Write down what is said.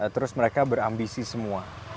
terus mereka berambisi semua